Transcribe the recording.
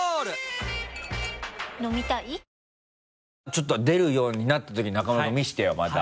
ちょっと出るようになった時中村君見せてよまた。